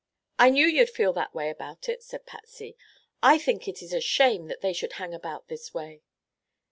"I knew you'd feel that way about it," said Patsy. "I think it's a shame that they should hang about this way."